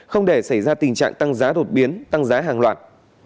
không để xảy ra tình trạng tăng giá đột biến tăng giá hàng loạt